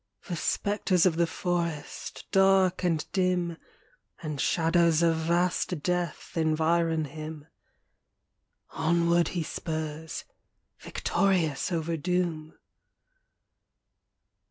The spectres of the forest, dark and dim, And shadows of vast death environ him Onward he spurs victorious over doom.